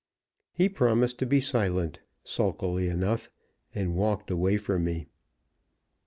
He promised to be silent, sulkily enough, and walked away from me.